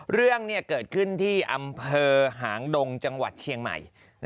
เรื่องเกิดขึ้นที่อำเภอหางดงจังหวัดเชียงใหม่